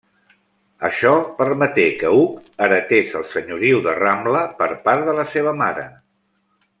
Això permeté que Hug heretés el senyoriu de Ramla, per part de la seva mare.